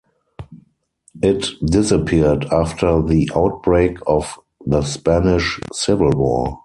It disappeared after the outbreak of the Spanish Civil War.